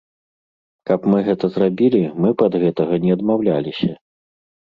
Каб мы гэта зрабілі, мы б ад гэтага не адмаўляліся.